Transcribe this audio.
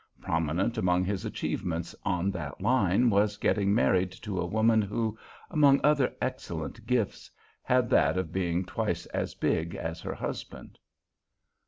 Prominent among his achievements on that line was getting married to a woman who, among other excellent gifts, had that of being twice as big as her husband.